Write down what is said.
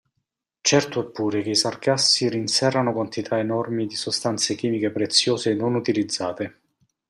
Certo è pure che i sargassi rinserrano quantità enormi di sostanze chimiche preziose non utilizzate.